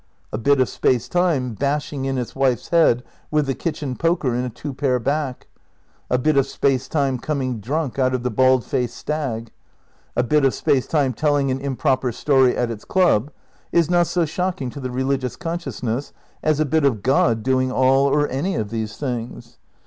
A bit of Space Time bashing in its wife's head with the kitchen poker in a two pair back; a bit of Space Time coming drunk out of the Bald Faced Stag; a bit of Space Time telling an improper story at its club is not so shocking to the religious con sciousness as a bit of God doing all or any of these things.